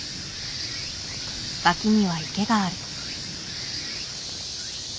脇には池がある。